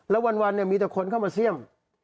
แล้ววันเนมาเหลือคนเข้ามาเสี้ยม